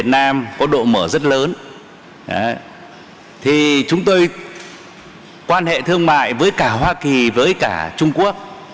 thì chúng tôi quan hệ thương mại với cả hoa kỳ với cả trung quốc